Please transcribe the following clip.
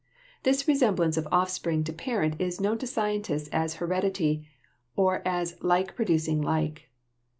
This resemblance of offspring to parent is known to scientists as heredity, or as "like producing like."